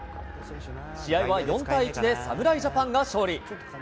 試合は４対１で侍ジャパンが勝利。